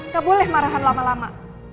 gak boleh marahan lama lama